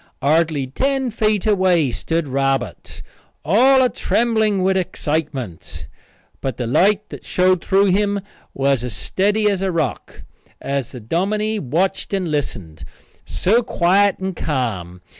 Hardly ten feet away stood Robert, all a trembling with excitement, but the light that showed through him was as steady as a rock, as the dominie watched and listened, so quiet and ca'm.